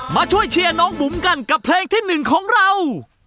มาช่วยเชียร์น้องบุ๋มกันกับเพลงที่๑ของเรา